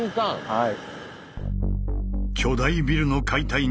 はい。